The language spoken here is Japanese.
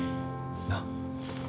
なっ。